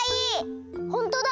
ほんとだ！